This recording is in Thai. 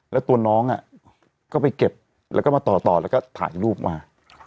แล้วตัวน้องก็ไปเก็บแล้วก็มาต่อแล้วก็ถ่ายรูปมา